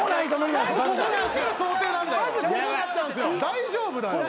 大丈夫だよ。